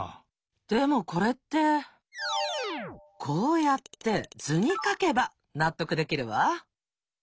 でもこれってこうやって図に描けば納得できるわ。